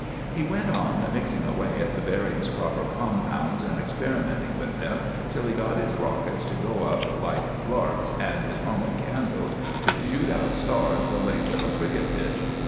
He went on mixing away at the various proper compounds and experimenting with them till he got his rockets to go up like larks and his Roman candles to shoot out stars the length of a cricket pitch.